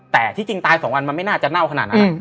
แต่ที่จริงตาย๒วันมันไม่น่าจะเน่าขนาดนั้น